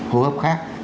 hô hấp khác